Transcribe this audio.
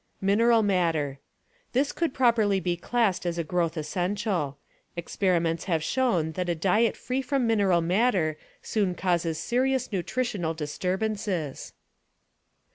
Mineral Matter — This could properly be classed as a growth essential. Experiments have shown that a diet free from mineral matter soon causes serious nutritional disturbances.